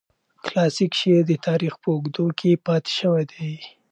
کلاسیک شعر د تاریخ په اوږدو کې پاتې شوی دی.